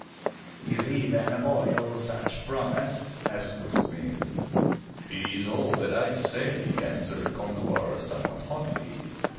" Is he then a boy of such promise? *' asked the smith. "He is all that I say,'' answered Concobar, somewhat hotly.